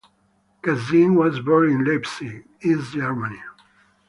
Kassin was born in Leipzig, East Germany.